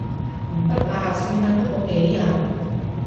唔得啦，聖誕得嗰幾日